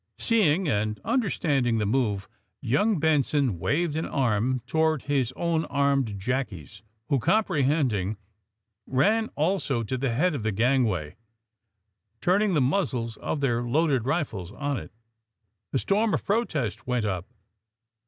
Seeing and understanding the move young Benson waved an arm toward his own armed jackies, who comprehending, ran also to the head of the gangway, turning the muzzles of their loaded rifles on it A storm of protest went up.